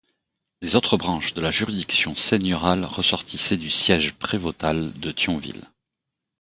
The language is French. Les autres branches de la juridiction seigneuriale ressortissaient du siège prévôtal de Thionville.